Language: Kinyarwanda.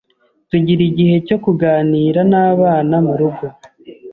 Tugira igihe cyo kuganira n’abana mu rugo,